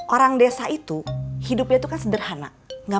orang desa itu hidupnya itu kan sederhana nggak macem macem